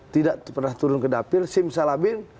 tidak pernah turun ke dapil sim salabin